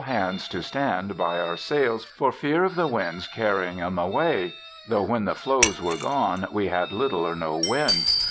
hands to stand by our sails for fear of the winds carrying 'em away : though when the flaws were gone we had little or no wind.